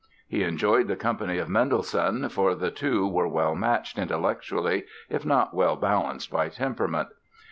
He enjoyed the company of Mendelssohn, for the two were well matched, intellectually, if not well balanced by temperament.